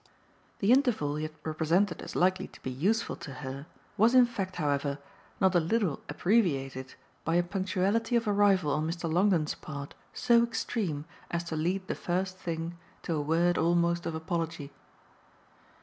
IV The interval he had represented as likely to be useful to her was in fact, however, not a little abbreviated by a punctuality of arrival on Mr. Longdon's part so extreme as to lead the first thing to a word almost of apology.